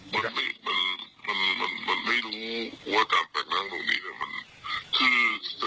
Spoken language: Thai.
มันมันมันมันมันไม่รู้หัวจำแปลกน้ำตรงนี้เนี้ยมันคือ